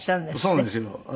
そうなんですよ。